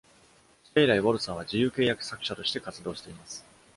それ以来、ウォルサーは自由契約作者として活動しています。